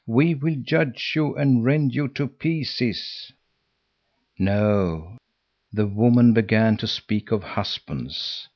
We will judge you and rend you to pieces." No, the woman began to speak of husbands.